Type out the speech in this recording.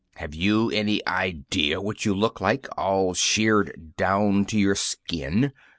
Have you any idea what you look like, all sheared down to your skin?